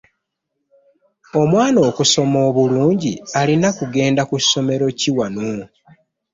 Omwana okusoma obulungi alina kugenda ku ssomero ki wano?